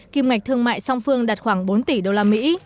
kim ngạch thương mại song phương đạt khoảng bốn tỷ usd